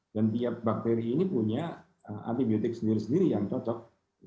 dan tiap bakteri ini punya antibiotik sendiri sendiri yang cocok